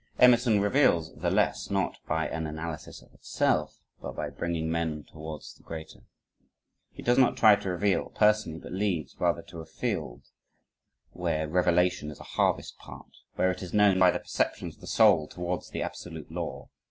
Emerson reveals the less not by an analysis of itself, but by bringing men towards the greater. He does not try to reveal, personally, but leads, rather, to a field where revelation is a harvest part, where it is known by the perceptions of the soul towards the absolute law.